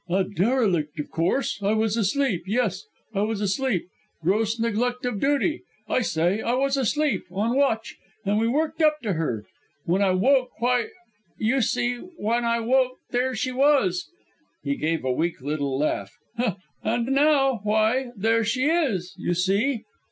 "A derelict, of course. I was asleep; yes, I was asleep. Gross neglect of duty. I say I was asleep on watch. And we worked up to her. When I woke, why you see, when I woke, there she was," he gave a weak little laugh, "and and now, why, there she is, you see.